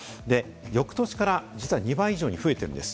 翌年から実は２倍以上に増えてるんです。